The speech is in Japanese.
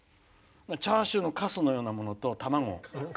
チャーシューのカスのようなものと、卵。